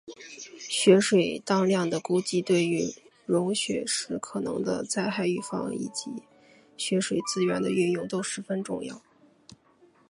雪水当量的估算对于融雪时可能的灾害预防以及雪水资源的运用都十分重要。